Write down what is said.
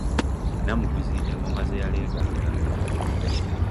Namuguzi engoma ze yaleeganga.